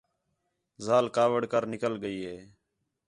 ذال کاوِڑ کر نِکل ڳئی ہِے